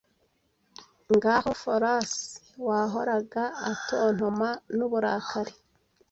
Ngaho Pholus wahoraga atontoma n'uburakari